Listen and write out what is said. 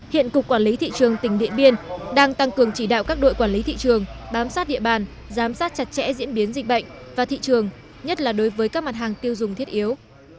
hiện cục quản lý thị trường tỉnh điện biên đang tăng cường chỉ đạo các đội quản lý thị trường bám sát địa bàn giám sát chặt chẽ diễn biến dịch bệnh và thị trường nhất là đối với các mặt hàng tiêu dùng thiết yếu